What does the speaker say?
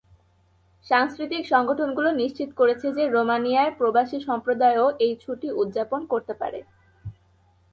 সাংস্কৃতিক সংগঠনগুলো নিশ্চিত করেছে যে রোমানিয়ার প্রবাসী সম্প্রদায়ও এই ছুটি উদযাপন করতে পারে।